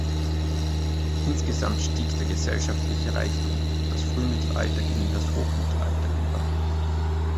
Insgesamt stieg der gesellschaftliche Reichtum; das Frühmittelalter ging in das Hochmittelalter über.